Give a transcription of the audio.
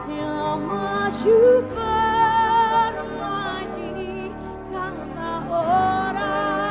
yang masih bermain di kanta ora